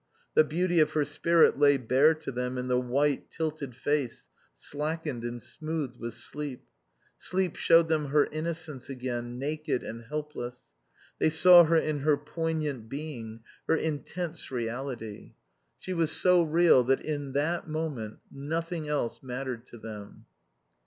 The beauty of her spirit lay bare to them in the white, tilted face, slackened and smoothed with sleep. Sleep showed them her innocence again, naked and helpless. They saw her in her poignant being, her intense reality. She was so real that in that moment nothing else mattered to them.